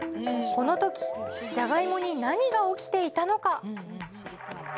この時じゃがいもに何が起きていたのか？